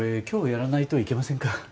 今日やらないといけませんか？